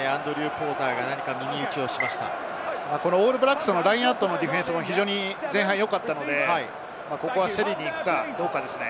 オールブラックスのラインアウトのディフェンスも非常に前半良かったので、競りに行くかどうかですね。